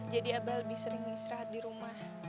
jadi abah lebih sering istirahat di rumah